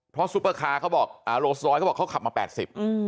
เพราะซุปเปอร์คาร์เขาบอกอ่าโลสร้อยเขาบอกเขาขับมาแปดสิบอืม